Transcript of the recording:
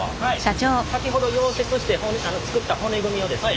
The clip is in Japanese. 先ほど溶接して作った骨組みをですね